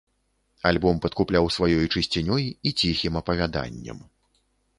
Альбом падкупляў сваёй чысцінёй і ціхім апавяданнем.